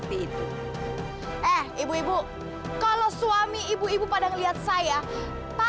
tidak ada yang bisa dianggap